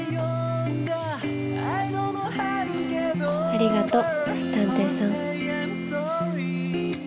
ありがと探偵さん。